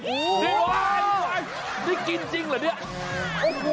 ได้กินจริงหรือพี่ครับ